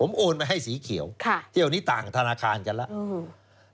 โอนไปให้สีเขียวค่ะเที่ยวนี้ต่างธนาคารกันแล้วอืม